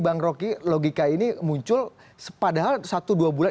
bang roky logika ini muncul padahal satu dua bulan